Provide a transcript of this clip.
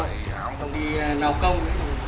không có ghi nào công